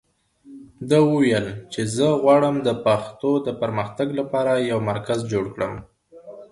ده وویل چي زه غواړم د پښتو د پرمختګ لپاره یو مرکز جوړ کړم.